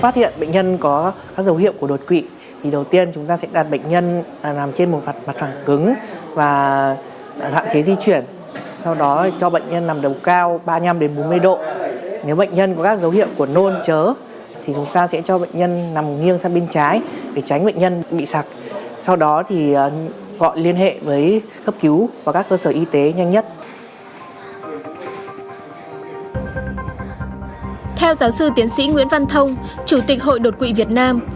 theo giáo sư tiến sĩ nguyễn văn thông chủ tịch hội đột quỵ việt nam